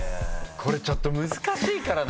これちょっと難しいからな。